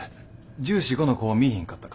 １４１５の子を見いひんかったか？